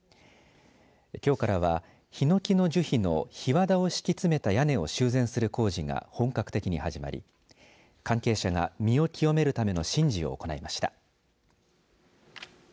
きょうからはヒノキの樹皮のひわだを敷き詰めた屋根を修繕する工事が本格的に始まり関係者が身を清めるための神事を行いました。